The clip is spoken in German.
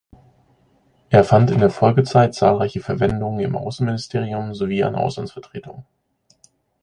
Er fand in der Folgezeit zahlreiche Verwendungen im Außenministerium sowie an Auslandsvertretungen.